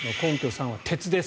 ３は、鉄です。